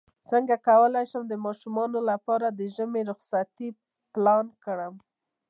څنګه کولی شم د ماشومانو لپاره د ژمی رخصتۍ پلان کړم